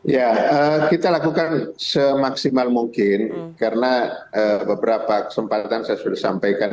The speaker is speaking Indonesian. ya kita lakukan semaksimal mungkin karena beberapa kesempatan saya sudah sampaikan